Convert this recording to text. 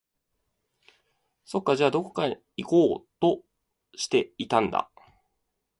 そっか、じゃあ、どこか行こうとしていたんだ